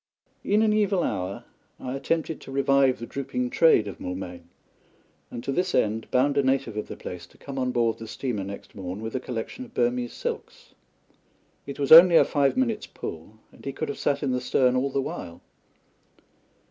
In an evil hour I attempted to revive the drooping trade of Moulmein, and to this end bound a native of the place to come on board the steamer next morn with a collection of Burmese silks. It was only a five minutes' pull, and he could have sat in the stern all the while.